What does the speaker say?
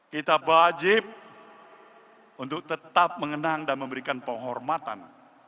kita wajib untuk tetap mengenang dan memberikan penghormatan